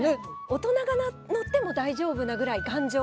大人が乗っても大丈夫なぐらい頑丈。